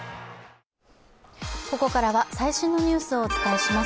ここからは最新のニュースをお伝えします。